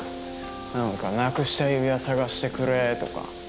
何かなくした指輪探してくれとか。